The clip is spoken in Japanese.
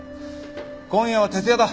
今夜は徹夜だ。